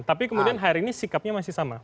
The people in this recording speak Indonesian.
tapi kemudian hari ini sikapnya masih sama